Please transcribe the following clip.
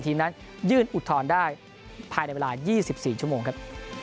ทีมนั้นยื่นอุดทอนได้ภายในเวลายี่สิบสี่ชั่วโมงครับ